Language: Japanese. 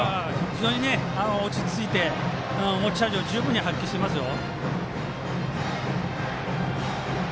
非常に落ち着いて持ち味を十分に発揮してますよ。